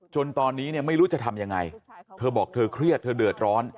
จนตอนนี้เนี่ยไม่รู้จะทำยังไงเธอบอกเธอเครียดเธอเดือดร้อน